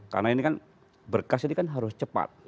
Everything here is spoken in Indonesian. karena ini kan berkas ini kan harus cepat